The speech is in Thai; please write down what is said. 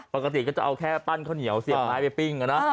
ปกติก็จะเอาแค่ปั้นข้าวเหนียวเสียบไม้ไปปิ้งนะ